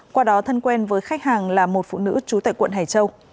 qua đó thân quen với khách hàng là một phụ nữ trú tại quận hải châu